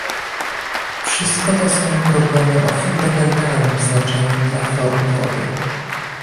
Wszystko to są problemy o fundamentalnym znaczeniu dla Forum Wody